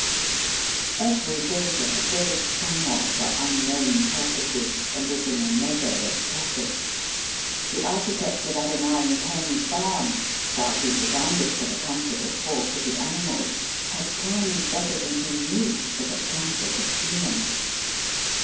Every builder builds somewhat for unknown purposes, and is in a measure a prophet. The architect of Adoniram Penn's barn, while he designed it for the comfort of four footed ani mals, had planned better than he knew for the comfort of humans.